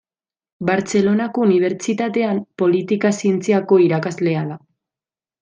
Bartzelonako Unibertsitatean politika zientziako irakaslea da.